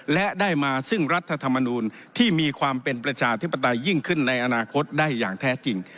และได้มาซึ่งรัฐธรรมนูลที่มีความเป็นประชาธิปไตยยิ่งขึ้นในอนาคตได้อย่างแท้จริง